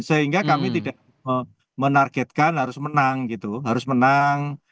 sehingga kami tidak menargetkan harus menang